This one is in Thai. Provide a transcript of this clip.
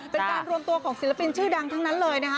เป็นการรวมตัวของศิลปินชื่อดังทั้งนั้นเลยนะคะ